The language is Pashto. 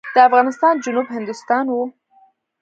د افغانستان جنوب هندوستان و.